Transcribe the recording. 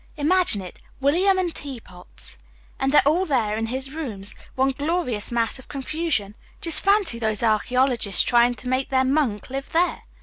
Imagine it William and teapots! And they're all there in his rooms one glorious mass of confusion. Just fancy those archaeologists trying to make their 'monk' live there!